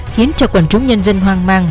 khiến cho quần chúng nhân dân hoang mang